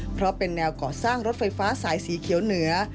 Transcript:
เพราะเป็นแนวก่อสร้างรถไฟฟ้าสายสีเขียวเหนือ